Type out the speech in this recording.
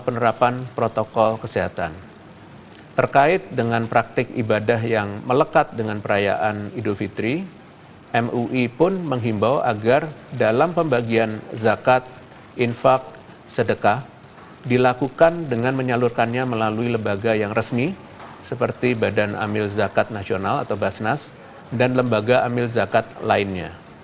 dikait dengan praktik ibadah yang melekat dengan perayaan idul fitri mui pun menghimbau agar dalam pembagian zakat infak sedekah dilakukan dengan menyalurkannya melalui lembaga yang resmi seperti badan amil zakat nasional atau basnas dan lembaga amil zakat lainnya